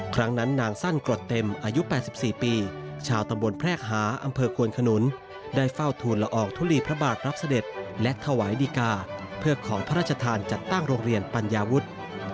ครั้งนั้นนางสั้นกรดเต็มอายุ๘๔ปีชาวตำบลแพรกหาอำเภอควนขนุนได้เฝ้าทูลละอองทุลีพระบาทรับเสด็จและถวายดีกาเพื่อขอพระราชทานจัดตั้งโรงเรียนปัญญาวุฒิ